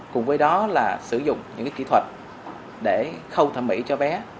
cùng với đó là sử dụng những kỹ thuật để khâu thẩm mỹ cho bé